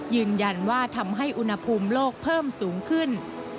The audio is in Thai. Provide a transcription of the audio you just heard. ยืนยันว่าทำให้อุณหภูมิโลกเพิ่มสูงขึ้น